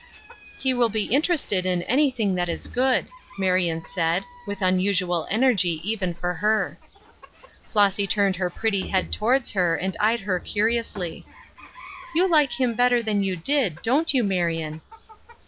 "He will be interested in anything that is good," Marion said, with unusual energy even for her. Flossy turned her pretty head towards her, and eyed her curiously. "You like him better than you did; don't you, Marion?"